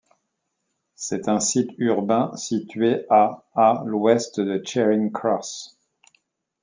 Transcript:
C'est un site urbain situé à à l'ouest de Charing Cross.